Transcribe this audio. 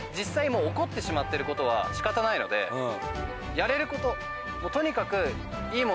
やれることもう。